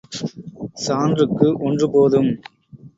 சான்றுக்கு ஒன்று போதும்.